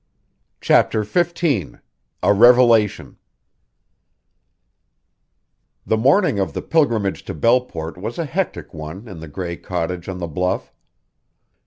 CHAPTER XV A REVELATION The morning of the pilgrimage to Belleport was a hectic one in the gray cottage on the bluff.